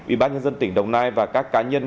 ubnd tỉnh đồng nai và các cá nhân